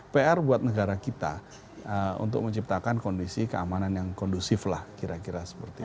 pr buat negara kita untuk menciptakan kondisi keamanan yang kondusif lah kira kira seperti itu